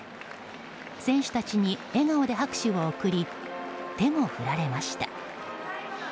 選手たちに笑顔で拍手を送り手も振られました。